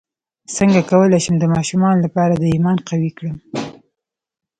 څنګه کولی شم د ماشومانو لپاره د ایمان قوي کړم